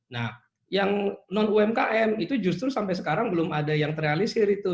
nah yang non umkm itu justru sampai sekarang belum ada yang terrealisir itu